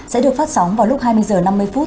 sẽ được phát sóng vào lúc hai mươi h năm mươi phút